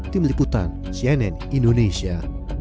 tim liputan cnn indonesia